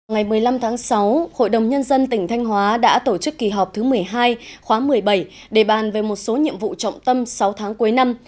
ngày một mươi năm tháng sáu hội đồng nhân dân tỉnh thanh hóa đã tổ chức kỳ họp thứ một mươi hai khóa một mươi bảy để bàn về một số nhiệm vụ trọng tâm sáu tháng cuối năm